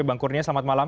bang kurnia selamat malam